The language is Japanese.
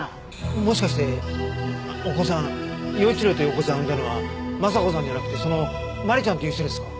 もしかしてお子さん耀一郎というお子さんを産んだのは昌子さんじゃなくてその万里ちゃんという人ですか？